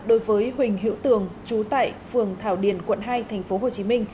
đối với huỳnh hiễu tường trú tại phường thảo điền quận hai tp hcm